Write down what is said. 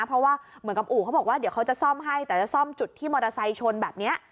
เพราะว่าเหมือนกับอู่เขาบอกว่าเดี๋ยวเขาจะซ่อมให้แต่จะซ่อมจุดที่มอเตอร์ไซค์ชนแบบนี้